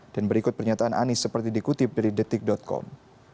dan berikut pernyataan anies seperti dikutip dari detik com